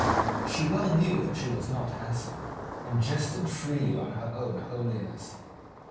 She well knew that she was not handsome, and jested freely on her own homeliness.